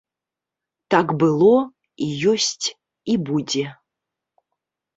Так было, і ёсць, і будзе.